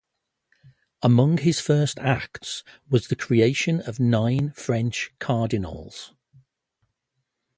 Among his first acts was the creation of nine French cardinals.